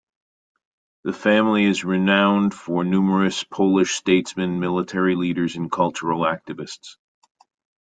The family is renowned for numerous Polish statesmen, military leaders, and cultural activists.